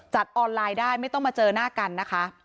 ออนไลน์ได้ไม่ต้องมาเจอหน้ากันนะคะ